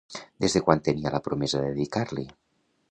Des de quan tenia la promesa de dedicar-li?